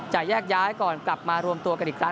แยกย้ายก่อนกลับมารวมตัวกันอีกครั้ง